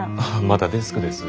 まだデスクです。